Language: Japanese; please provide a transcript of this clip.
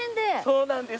そうなんです。